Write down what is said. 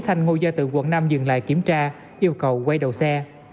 thành ngô gia tự quận năm dừng lại kiểm tra yêu cầu quay đầu xe